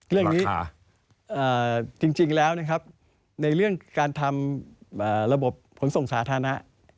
เรื่องนี้จริงแล้วนะครับในเรื่องการทำระบบขนส่งสาธารณะ